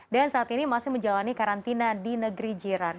dan saat ini masih menjalani karantina di negeri jiran